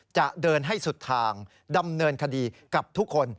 จะเดินให้สุดทางดำเนินคดีกับทุกคน